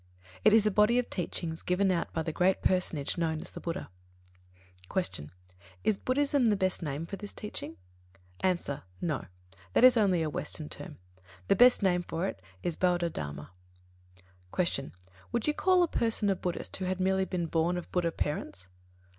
It is a body of teachings given out by the great personage known as the Buddha. 3. Q. Is "Buddhism" the best name for this teaching? A. No; that is only a western term: the best name for it is Bauddha Dharma. 4. Q. _Would you call a person a Buddhist who had merely been born of Buddha parents?